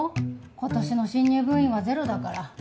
今年の新入部員はゼロだから。